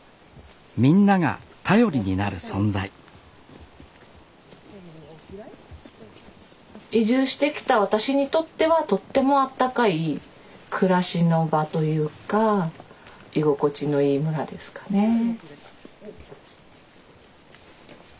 みんなが頼りになる存在移住してきた私にとってはとってもあったかい暮らしの場というか居心地のいい村ですかね。